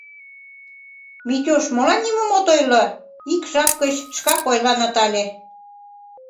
— Митюш, молан нимом от ойло? — ик жап гыч шкак ойла Натале.